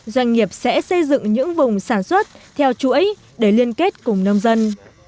doanh nghiệp sẽ xây dựng những vùng sản xuất theo chuỗi để liên kết cùng nông dân